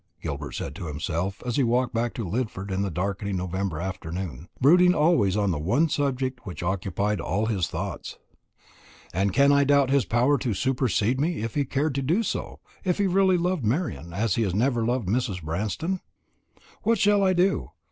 Gilbert said to himself, as he walked back to Lidford in the darkening November afternoon, brooding always on the one subject which occupied all his thoughts; "and can I doubt his power to supersede me if he cared to do so if he really loved Marian, as he never has loved Mrs. Branston? What shall I do?